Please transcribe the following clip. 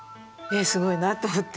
すごいなと思って。